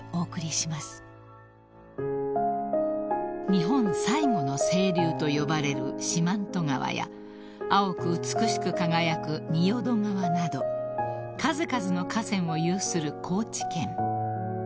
［日本最後の清流と呼ばれる四万十川や青く美しく輝く仁淀川など数々の河川を有する高知県］